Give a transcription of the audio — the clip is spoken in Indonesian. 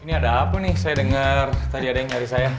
ini ada apa nih saya dengar tadi ada yang nyari saya